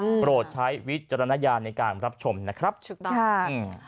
อืมโปรดใช้วิจารณญาณในการรับชมนะครับชุดตามอืม